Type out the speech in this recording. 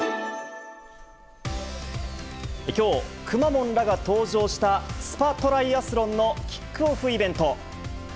きょう、くまモンらが登場した、スパトライアスロンのキックオフイベント。